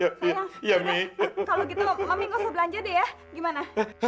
kalau gitu mami nggak usah belanja deh ya gimana